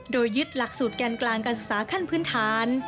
โดยยึดหลักสูตรแกนกลางการศึกษาขั้นพื้นฐาน